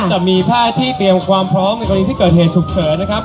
จะมีแพทย์ที่เตรียมความพร้อมในกรณีที่เกิดเหตุฉุกเฉินนะครับ